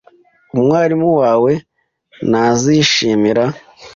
Umwarimu wawe ntazishimira.